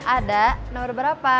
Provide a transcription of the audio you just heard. ada nomor berapa